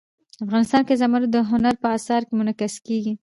افغانستان کې زمرد د هنر په اثار کې منعکس کېږي.